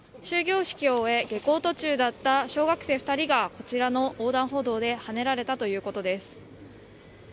終業式を終え下校途中だった小学生２人がこちらの横断歩道ではねられたということです。